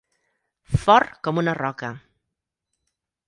Fort com una roca.